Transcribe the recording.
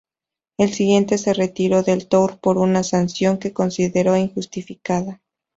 Al siguiente, se retiró del Tour por una sanción que consideró injustificada.